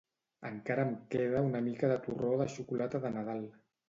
Encara em queda una mica de torró de xocolata de Nadal